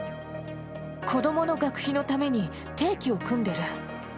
子どもの学費のために、定期を組んでる。